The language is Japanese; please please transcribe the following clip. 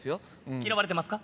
嫌われてますか？